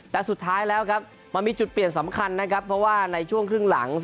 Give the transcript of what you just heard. แต่สุดท้ายแล้วครับมันมีจุดเปลี่ยนสำคัญนะครับเพราะว่าในช่วงครึ่งหลัง